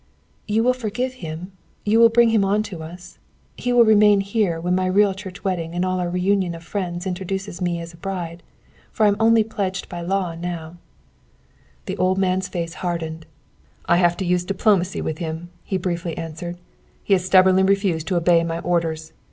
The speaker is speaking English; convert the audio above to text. "You will forgive him; you will bring him on to us; he will remain here when my real church wedding and all our reunion of friends introduces me as a bride. For I am only pledged by the law now." Then the old man's face hardened. "I have to use diplomacy with him," he briefly answered. "He has stubbornly refused to obey my orders.